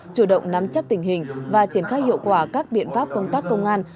chủ động nắm chắc tình hình và triển khai hiệu quả các biện pháp công tác công an